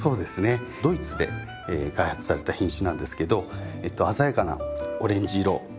ドイツで開発された品種なんですけど鮮やかなオレンジ色と。